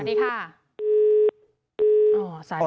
สวัสดีค่ะ